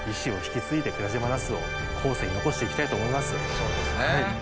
そうですね。